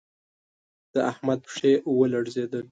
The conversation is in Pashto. د احمد پښې و لړزېدل